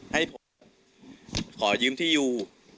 ให้ผมขอยืมที่อยู่